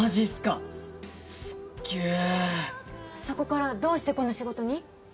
そこからどうしてこの仕事に？